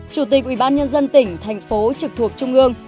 chủ tịch ủy ban nhân dân tỉnh thành phố trực thuộc trung ương